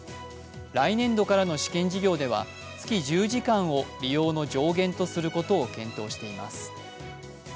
来年度からの試験事業では月１０時間を利用の上限とすることを検討しています。